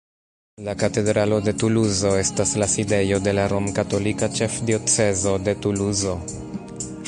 La katedralo de Tuluzo estas la sidejo de la Romkatolika Ĉefdiocezo de Tuluzo.